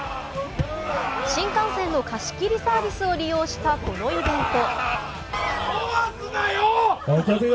新幹線の貸し切りサービスを利用したこのイベント。